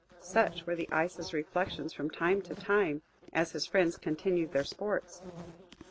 Such were the Ice's reflections from time to time, as his friends continued their sports.